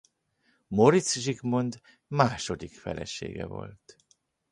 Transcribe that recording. Móricz Zsigmond második felesége volt.